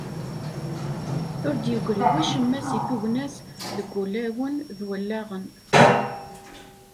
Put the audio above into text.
Ur d-yegri wacemma seg tugna-s deg wulawen d wallaɣen.